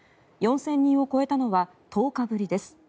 ４０００人を超えたのは１０日ぶりです。